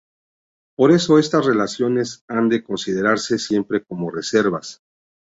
Por eso estas relaciones han de considerarse siempre con reservas.